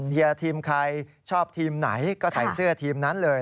เฮียทีมใครชอบทีมไหนก็ใส่เสื้อทีมนั้นเลย